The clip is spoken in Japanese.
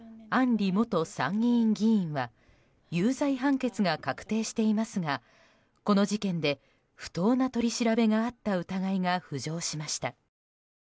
里元参議院議員は有罪判決が確定していますがこの事件で不当な取り調べがあった疑いが浮上しました。